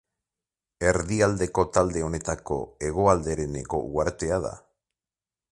Erdialdeko talde honetako hegoaldereneko uhartea da.